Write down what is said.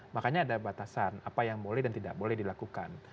makanya ada batasan apa yang boleh dan tidak boleh dilakukan